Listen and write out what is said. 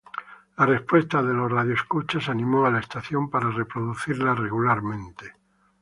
La respuesta de los radioescuchas animó a la estación para reproducirla regularmente.